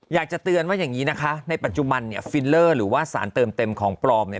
อยากจะเตือนว่าอย่างนี้นะคะในปัจจุบันเนี่ยฟิลเลอร์หรือว่าสารเติมเต็มของปลอมเนี่ย